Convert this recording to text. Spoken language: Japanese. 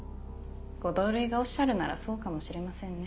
ご同類がおっしゃるならそうかもしれませんね。